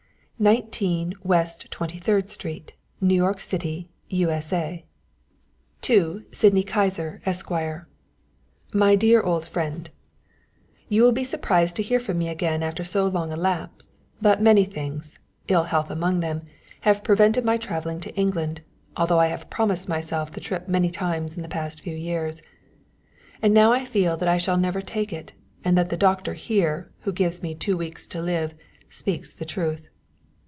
"19, WEST TWENTY THIRD STREET, "NEW YORK CITY, "U.S.A. "To Sydney Kyser, Esq. "MY DEAR OLD FRIEND, "_You will be surprised to hear from me again after so long a lapse, but many things ill health among them have prevented my travelling to England, although I have promised myself the trip many times in the past few years. And now I feel that I shall never take it, and that the doctor here, who gives me two weeks to live, speaks the truth.